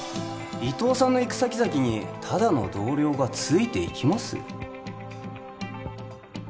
伊藤さんの行く先々にただの同僚がついていきます？